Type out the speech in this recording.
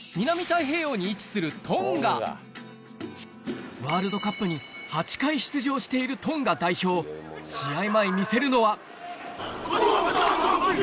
太平洋に位置するワールドカップに８回出場しているトンガ代表試合